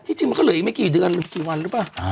ที่จริงมันก็เลยไม่กี่เดือนแล้วไว้กี่วันหรือเปล่า